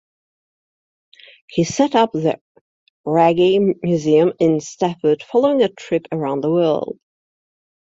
He set up the Wragge Museum in Stafford following a trip around the world.